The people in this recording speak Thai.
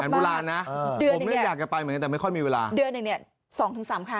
เดือน๒๓ครั้ง